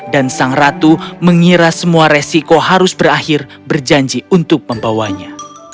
dan sang ratu mengira semua resiko harus berakhir berjanji untuk membawanya